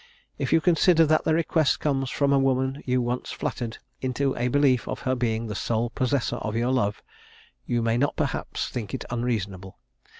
If you consider that the request comes from a woman you once flattered into a belief of her being the sole possessor of your love, you may not perhaps think it unreasonable.